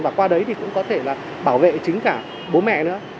và qua đấy thì cũng có thể là bảo vệ chính cả bố mẹ nữa